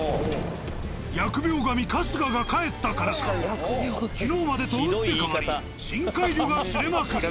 疫病神春日が帰ったからか昨日までと打って変わり深海魚が釣れまくる。